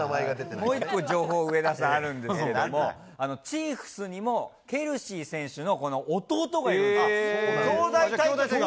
もう一つ情報が、上田さん、あるんですけども、チーフスにもケルシー選手のこの弟がいるんです。